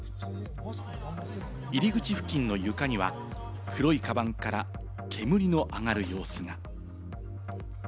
入り口付近の床には、黒いカバンから煙の上がる様子が。